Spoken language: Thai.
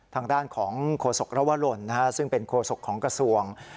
ทางด้านของโฆษกรวรลซึ่งเป็นโคศกของกระทรวง